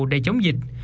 để chống dịch